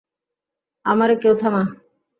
আমারে কেউ থামা।